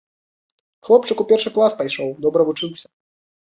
Хлопчык у першы клас пайшоў, добра вучыўся.